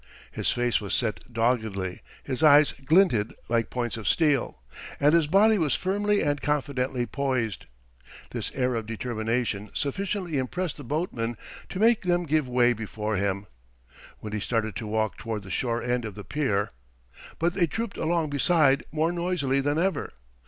His face was set doggedly, his eyes glinted like points of steel, and his body was firmly and confidently poised. This air of determination sufficiently impressed the boatmen to make them give way before him When he started to walk toward the shore end of the pier. But they trooped along beside more noisily than ever.